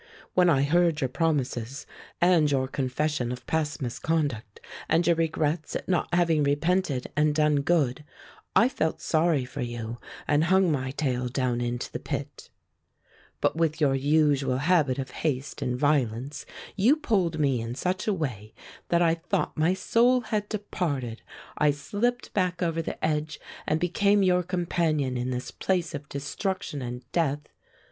"When I heard your promises, and your confession of past misconduct, and your regrets at not having repented and done good, I felt sorry for you and hung my tail down into the pit. 156 Fairy Tale Foxes But with your usual habit of haste and vio lence you pulled me in such a way that I thought my soul had departed. I slipped back over the edge and became your com panion in this place of distruction and death.